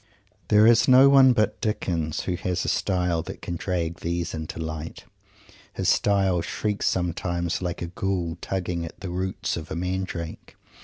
There is no one but Dickens who has a style that can drag these things into light. His style shrieks sometimes like a ghoul tugging at the roots of a mandrake.